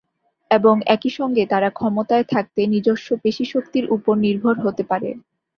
এবং একই সঙ্গে তারা ক্ষমতায় থাকতে নিজস্ব পেশিশক্তির ওপর নির্ভর হতে পারে।